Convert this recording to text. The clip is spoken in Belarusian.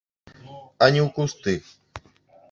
А не ў кусты.